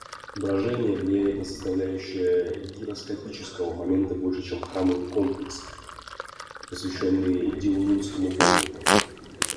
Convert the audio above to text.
Брожение влияет на составляющие гироскопического момента больше, чем храмовый комплекс, посвященный дилмунскому богу